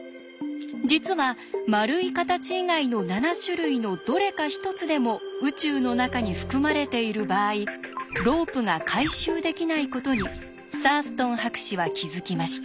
実は丸い形以外の７種類のどれか一つでも宇宙の中に含まれている場合ロープが回収できないことにサーストン博士は気付きました。